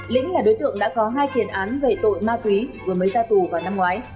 lĩnh là đối tượng đã có hai tiền án về tội ma túy vừa mới ra tù vào năm ngoái